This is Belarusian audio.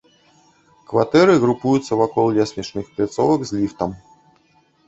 Кватэры групуюцца вакол лесвічных пляцовак з ліфтам.